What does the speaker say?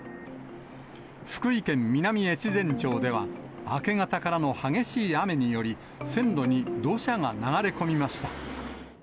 福井県南越前町では、明け方からの激しい雨により、線路に土砂が流れ込みました。